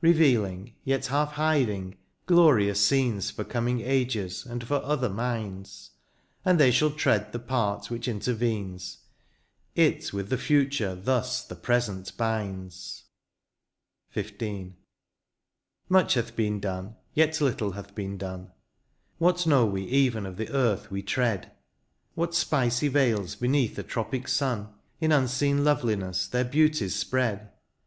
Revealing, yet half hiding, glorious scenes For coming ages, and for other minds ; And they shall tread the part which intervenes ; It with the future thus the present binds. XV. Much hath been done — ^yet little hath been done. What know we even of the earth we tread ? What spicy vales beneath a tropic sun. In unseen loveliness their beauties spread